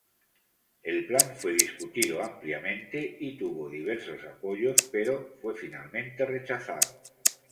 El plan fue discutido ampliamente y tuvo diversos apoyos, pero fue finalmente rechazado.